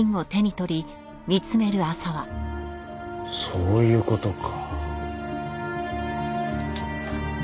そういう事か。